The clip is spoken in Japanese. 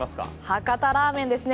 博多ラーメンですね。